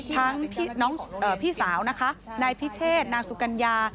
ทั้งพี่สาวนะคะนายพิเชษนางสุกัญญา